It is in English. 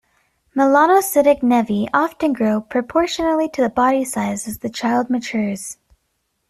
Melanocytic Nevi often grow proportionally to the body size as the child matures.